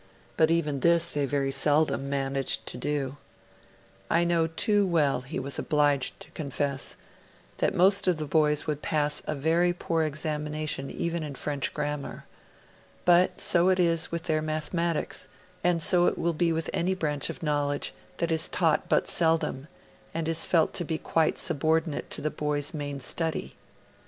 But even this they very seldom managed to do. 'I know too well, [he was obliged to confess,] that most of the boys would pass a very poor examination even in French grammar. But so it is with their mathematics; and so it will be with any branch of knowledge that is taught but seldom, and is felt to be quite subordinate to the boys' main study.'